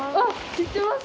知ってます。